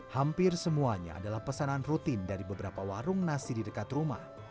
hampir semuanya adalah pesanan rutin dari beberapa warung nasi di dekat rumah